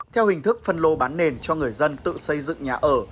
theo hình thức phân lô bán nền cho người dân tự xây dựng nhà ở